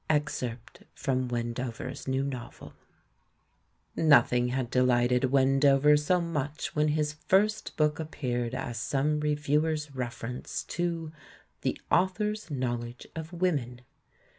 — Excerpt from Wendover's new novel. Nothing had delighted Wendover so much when his first book appeared as some reviewer's reference to "the author's knowledge of women."